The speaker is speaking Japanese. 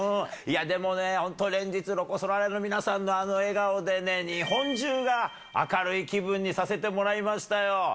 いやでもね、本当、連日、ロコ・ソラーレの皆さんのあの笑顔で、日本中が明るい気分にさせてもらいましたよ。